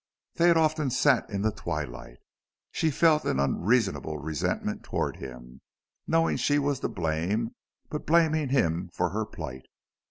They had often sat in the twilight. She felt an unreasonable resentment toward him, knowing she was to blame, but blaming him for her plight.